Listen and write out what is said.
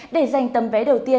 để giành tầm vé đầu tiên